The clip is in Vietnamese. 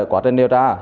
quá trời điều tra